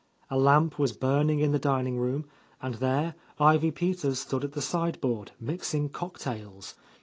A lamp was burning in the dining room, and there Ivy Peters stood at the side board, mixing cocktails.